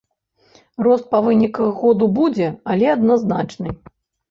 Рост па выніках году будзе, але адназначны.